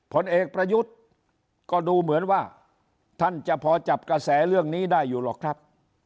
ผลเอกประยุทธ์ก็ดูเหมือนว่าท่านจะพอจับกระแสเรื่องนี้ได้อยู่หรอกครับ